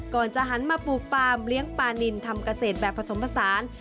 ก่อนจะหันมาปลูกฟาร์มเลี้ยงปลานินทำเกษตรแบบผสมผสาน